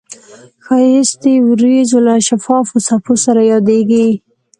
ښایست د وریځو له شفافو څپو سره یادیږي